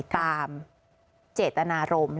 ตามเจตนารมณ์